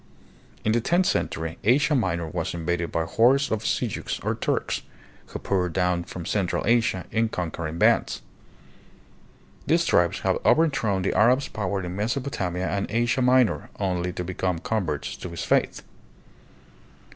In the tenth century Asia Minor was invaded by hordes of Sel juks, or Turks, who poured down from central Asia hi conquering bands. These tribes had overthrown the Arab's power in Mesopotamia and Asia Minor only to become converts to his faith.